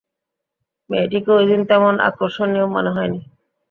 মেয়েটিকে ঐদিন তেমন আকর্ষণীয় মনে হয় নি।